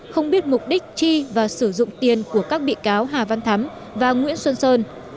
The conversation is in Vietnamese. không biết mục đích chi và sử dụng tiền của các bị cáo hà văn thắm và nguyễn xuân sơn